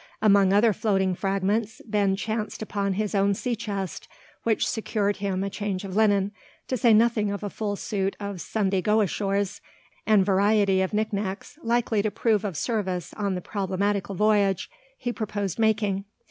Among other "floating fragments" Ben chanced upon his own sea chest; which secured him a change of linen, to say nothing of a full suit of "Sunday go ashores" and variety of knick knacks likely to prove of service on the problematical voyage he proposed making.